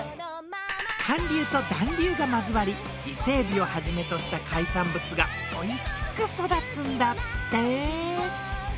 寒流と暖流が交わり伊勢海老をはじめとした海産物がおいしく育つんだって。